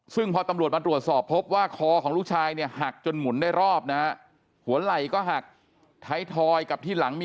ซึ่งพอตำรวจมาตรวจสอบพบว่าคอของลูกชายเนี่ยหักจนหมุนได้รอบนะฮะ